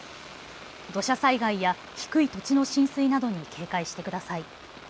土砂災害や低い土地の浸水などに警戒してください。